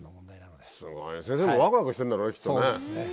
すごい先生もワクワクしてるんだろうねきっとね。